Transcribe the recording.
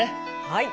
はい。